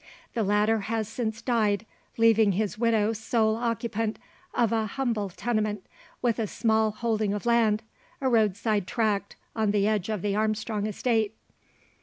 The latter has since died, leaving his widow sole occupant of an humble tenement, with a small holding of land a roadside tract, on the edge of the Armstrong estate.